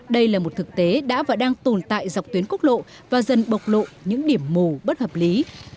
đây là một thực tế đã và đang tồn tại dọc tuyến quốc lộ và dần bộc lộ những điểm mù bất hợp lý